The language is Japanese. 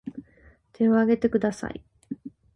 手を挙げてください